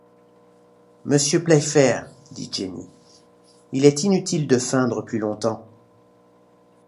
Monsieur Playfair, dit Jenny, il est inutile de feindre plus longtemps.